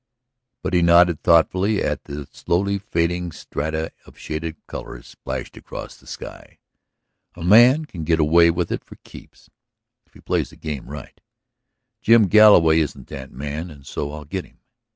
But he nodded thoughtfully at the slowly fading strata of shaded colors splashed across the sky. "A man can get away with it for keeps ... if he plays the game right. Jim Galloway isn't that man and so I'll get him.